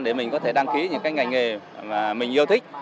để mình có thể đăng ký những cái ngành nghề mà mình yêu thích